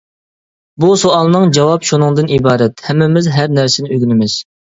بۇ سوئالنىڭ جاۋاب شۇنىڭدىن ئىبارەت: ھەممىمىز ھەر نەرسىنى ئۆگىنىمىز.